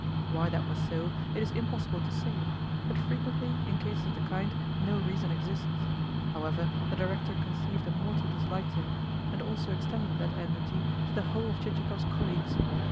Why that was so it is impossible to say, but frequently, in cases of the kind, no reason exists. However, the Director conceived a mortal dislike to him, and also extended that enmity to the whole of Chichikov's colleagues.